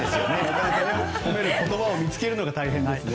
褒める言葉を見つけるのが大変ですね。